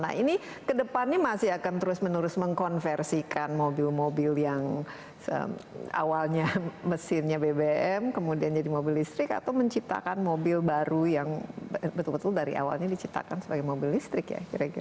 nah ini kedepannya masih akan terus menerus mengkonversikan mobil mobil yang awalnya mesinnya bbm kemudian jadi mobil listrik atau menciptakan mobil baru yang betul betul dari awalnya diciptakan sebagai mobil listrik ya kira kira